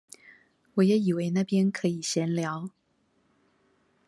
我也以為那邊可以閒聊